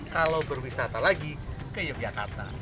kalau berwisata lagi ke yogyakarta